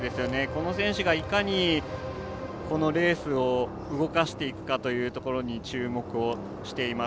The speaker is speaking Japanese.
この選手がいかにこのレースを動かしていくかというところに注目をしています。